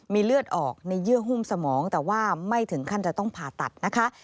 มีเลือดออกในเยื่อหุ้มสมองแต่ว่าไม่ถึงขั้นจะต้องผ่าตัดนะคะ